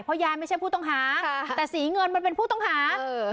เพราะยายไม่ใช่ผู้ต้องหาค่ะแต่สีเงินมันเป็นผู้ต้องหาเออ